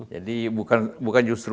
jadi bukan justru